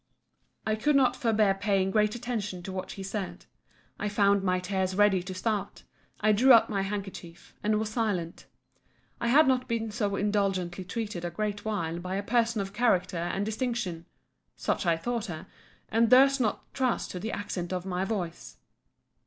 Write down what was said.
I could not forbear paying great attention to what she said. I found my tears ready to start; I drew out my handkerchief, and was silent. I had not been so indulgently treated a great while by a person of character and distinction, [such I thought her;] and durst not trust to the accent of my voice.